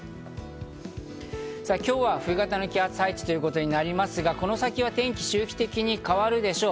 今日は冬型の気圧配置ということになりますが、この先は天気、周期的に変わるでしょう。